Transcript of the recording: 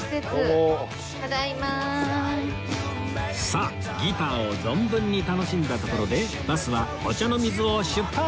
さあギターを存分に楽しんだところでバスはお茶の水を出発！